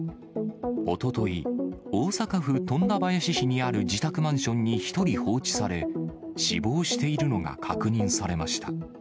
おととい、大阪府富田林市にある自宅マンションに１人放置され、死亡しているのが確認されました。